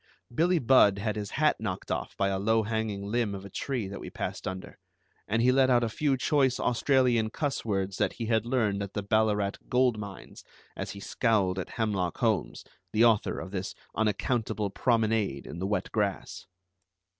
Billie Budd had his hat knocked off by a low hanging limb of a tree that we passed under, and he let out a few choice Australian cuss words that he had learned at the Ballarat gold mines, as he scowled at Hemlock Holmes, the author of this unaccountable promenade in the wet grass.